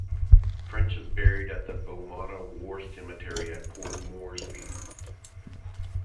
French is buried at the Bomana War Cemetery at Port Moresby.